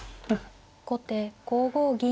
後手５五銀。